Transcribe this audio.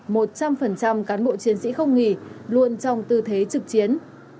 bộ chiến sĩ không nghỉ luôn trong tư thế trực chiến